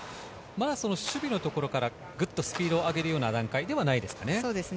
守備のところからグッとスピードを上げるような段階ではないですね。